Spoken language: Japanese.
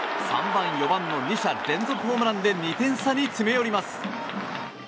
３番４番の２者連続ホームランで２点差に詰め寄ります。